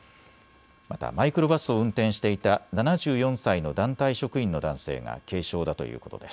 またマイクロバスを運転していた７４歳の団体職員の男性が軽傷だということです。